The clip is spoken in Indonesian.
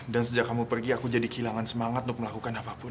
dan sejak kamu pergi aku jadi kehilangan semangat untuk melakukan apapun